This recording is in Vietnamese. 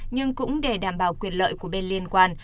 nhưng cũng để đảm bảo quyền lợi của bên liên quan